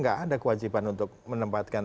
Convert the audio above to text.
gak ada kewajiban untuk menempatkan